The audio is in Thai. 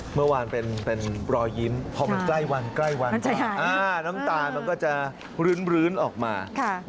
เมื่อวานเป็นรอยยิ้มพอมันใกล้วันใกล้วันน้ำตามันก็จะรื้นออกมา